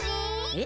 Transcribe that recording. え？